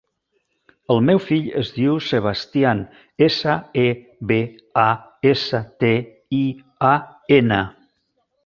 El meu fill es diu Sebastian: essa, e, be, a, essa, te, i, a, ena.